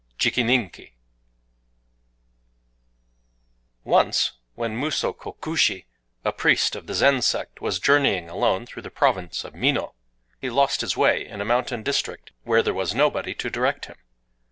JIKININKI Once, when Musō Kokushi, a priest of the Zen sect, was journeying alone through the province of Mino (1), he lost his way in a mountain district where there was nobody to direct him.